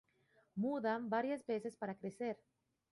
Mudan varias veces para crecer.